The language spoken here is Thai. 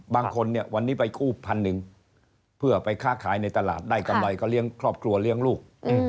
บางคนเนี่ยวันนี้ไปกู้พันหนึ่งเพื่อไปค้าขายในตลาดได้กำไรก็เลี้ยงครอบครัวเลี้ยงลูก